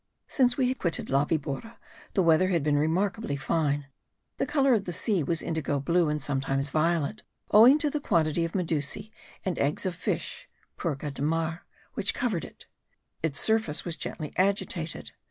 Since we had quitted La Vibora the weather had been remarkably fine; the colour of the sea was indigo blue and sometimes violet, owing to the quantity of medusae and eggs of fish (purga de mar) which covered it. Its surface was gently agitated.